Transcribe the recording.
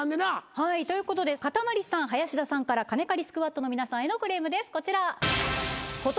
はいということでかたまりさん林田さんから金借りスクワッドの皆さんへのクレームですこちら。